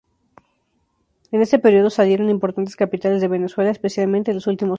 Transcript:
En este período, salieron importantes capitales de Venezuela, especialmente en los últimos años.